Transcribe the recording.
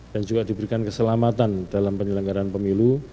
dan juga diberikan keselamatan dalam penyelenggaraan pemilu